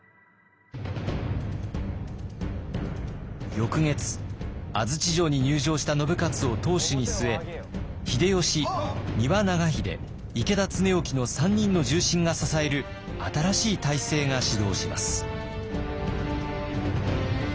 翌月安土城に入城した信雄を当主に据え秀吉丹羽長秀池田恒興の３人の重臣が支える新しい体制が始動します。